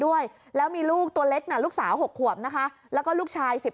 ด้วยแล้วมีลูกตัวเล็กน่ะลูกสาว๖ขวบนะคะแล้วก็ลูกชาย๑๐